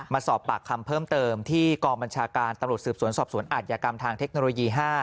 มาสอบปากคำเพิ่มเติมที่กองบัญชาการตำรวจสืบสวนสอบสวนอาจยากรรมทางเทคโนโลยี๕